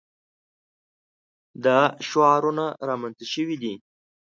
دا شعارونه رامنځته شوي دي.